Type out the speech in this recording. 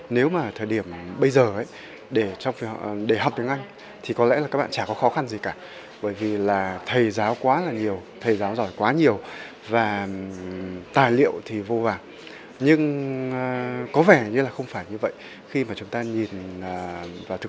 nếu nói tiếng anh mà người bản ngữ nghe không hiểu